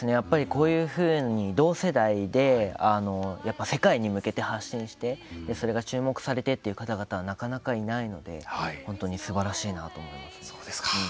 こういうふうに同世代で、世界に向けて発信して注目されてって方々はなかなかいないので本当にすばらしいなと思います。